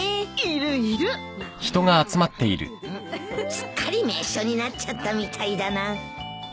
すっかり名所になっちゃったみたいだな。